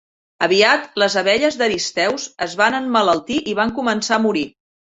Aviat les abelles d'Aristeus es van emmalaltir i van començar a morir.